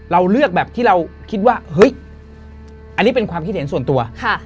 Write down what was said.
เราเลือกแบบที่เราคิดว่าเฮ้ยอันนี้เป็นความคิดเห็นส่วนตัว